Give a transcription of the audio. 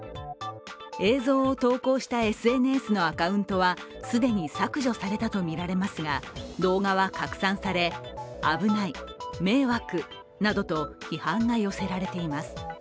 映像を投稿したＳＮＳのアカウントは既に削除されたとみられますが、動画は拡散され、危ない、迷惑などと批判が寄せられています。